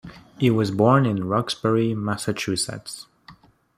He was born in Roxbury, Massachusetts.